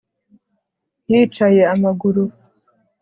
Yicaye amaguru